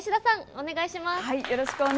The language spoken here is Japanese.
お願いします。